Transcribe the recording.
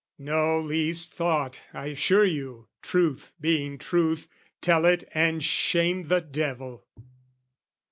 No least thought, I assure you: truth being truth, Tell it and shame the devil!